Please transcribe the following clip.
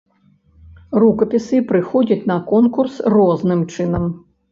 Рукапісы прыходзяць на конкурс розным чынам.